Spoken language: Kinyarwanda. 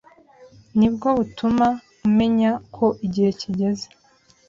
nibwo butuma umenya ko igihe kigeze